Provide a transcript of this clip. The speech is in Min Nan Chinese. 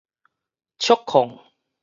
觸控